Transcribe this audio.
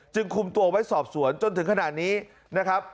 คุมตัวไว้สอบสวนจนถึงขนาดนี้นะครับ